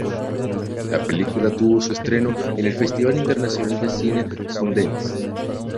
La película tuvo su estreno en el Festival Internacional de Cine de Sundance.